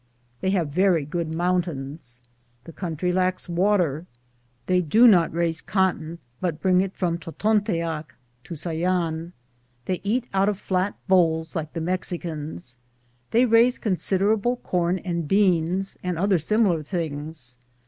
* They have very good mountains. The country lacks water. They do not raise cot ton, but bring it from Totonteac* They eat out of flat bowls, like the Mexicans. They raise considerable corn and beans and other similar things.